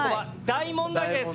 「大問題です！」。